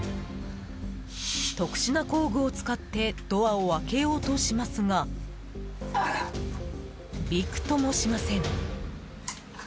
特殊な工具を使ってドアを開けようとしますがびくともしません。